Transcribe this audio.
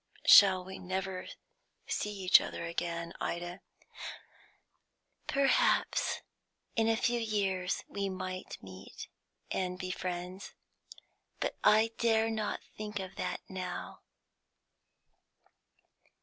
"Shall we never see each other again, Ida?" "Perhaps. In a few years we might meet, and be friends. But I dare not think of that now."